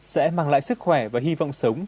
sẽ mang lại sức khỏe và hy vọng sống